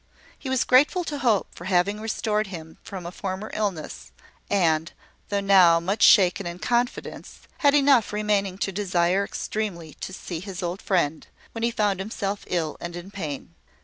He was grateful to Hope for having restored him from a former illness; and, though now much shaken in confidence, had enough remaining to desire extremely to see his old friend, when he found himself ill and in pain.